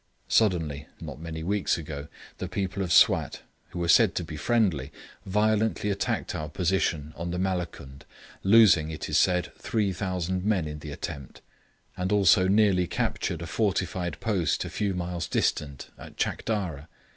Suddenly, not many weeks ago, the people of Swat, who were said to be friendly, violently attacked our position on the Malakund, losing, it is said, 3,000 men in the attempt; and also nearly captured a fortified post a few miles distant at Chakdara.